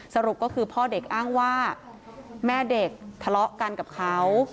สรุปก็คือพ่อเด็กอ้างว่าแม่เด็กทะเลาะกันกับเขา